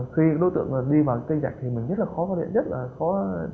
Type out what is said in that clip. khi đối tượng đi bằng kênh dạch thì mình rất là khó phát hiện rất là khó